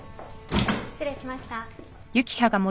失礼しました。